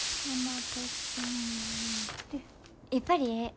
やっぱりええ。